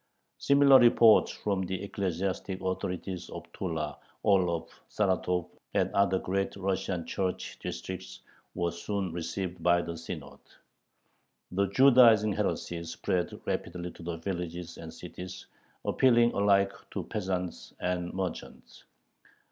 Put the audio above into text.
Similar reports from the ecclesiastic authorities of Tula, Orlov, Saratov, and other Great Russian Church districts were soon received by the Synod. The "Judaizing heresy" spread rapidly to the villages and cities, appealing alike to peasants and merchants.